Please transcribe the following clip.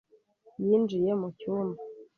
yinjiye mu cyumba.